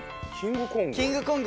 『キング・コング』？